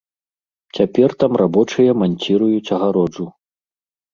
Цяпер там рабочыя манціруюць агароджу.